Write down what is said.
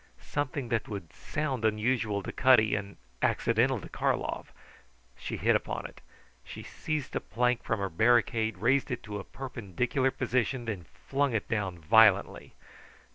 Something that would sound unusual to Cutty and accidental to Karlov. She hit upon it. She seized a plank from her barricade, raised it to a perpendicular position, then flung it down violently.